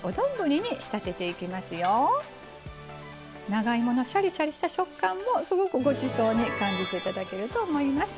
長芋のシャリシャリした食感もすごくごちそうに感じていただけると思います。